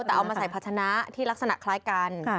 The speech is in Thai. แต่เอามาใส่ภาชนะที่ลักษณะคล้ายกัน